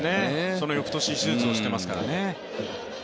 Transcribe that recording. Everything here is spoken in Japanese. その翌年、手術をしてますからね。